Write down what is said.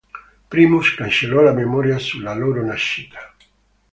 Primus cancellò la memoria sulla loro nascita.